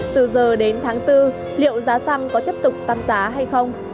từ giờ đến tháng bốn liệu giá xăng có tiếp tục tăng giá hay không